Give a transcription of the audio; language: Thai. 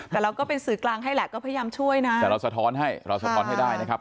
แต่เราก็เป็นสื่อกลางให้แหละก็พยายามช่วยนะแต่เราสะท้อนให้เราสะท้อนให้ได้นะครับ